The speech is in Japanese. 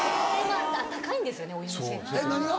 高いんですよねお湯の設定が。